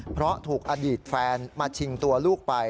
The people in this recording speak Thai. เพราะถูกอดีตแฟนมาชิงตัวลูกไป